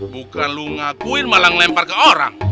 bukan lu ngakuin malah ngelempar ke orang